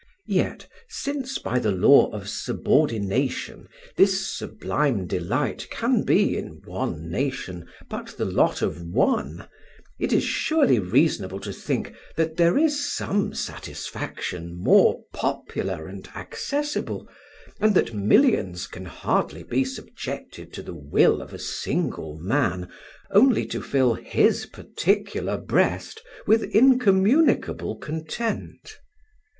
Yet, since by the law of subordination this sublime delight can be in one nation but the lot of one, it is surely reasonable to think that there is some satisfaction more popular and accessible, and that millions can hardly be subjected to the will of a single man, only to fill his particular breast with incommunicable content."